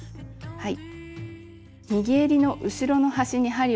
はい。